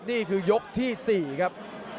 นี่คือยกที่๔ครับ